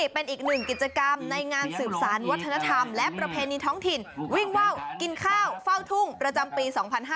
เป็นอีกหนึ่งกิจกรรมในงานสืบสารวัฒนธรรมและประเพณีท้องถิ่นวิ่งว่าวกินข้าวเฝ้าทุ่งประจำปี๒๕๕๙